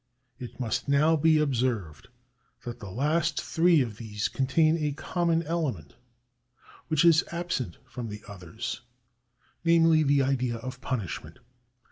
It must now be observed that the last three of these contain a common element which is absent from the others, namely the idea of punishment.